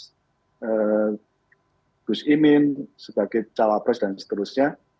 gus imin sebagai cawapres dan seterusnya